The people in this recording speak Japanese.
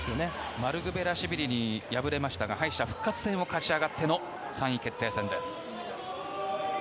マルクベラシュビリに敗れましたが敗者復活戦を勝ち上がっての３位決定戦です。